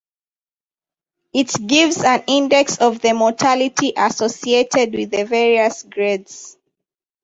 It gives an index of the mortality associated with the various grades.